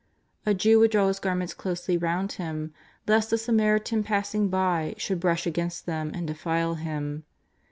A Jew would draw his garments closely round him lest a Samaritan passing by should brush against them and defile him.